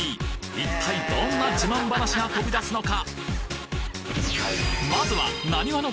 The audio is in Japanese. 一体どんな自慢話が飛び出すのか！